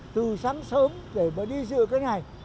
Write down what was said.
từ sáng sớm để đi dựa cái này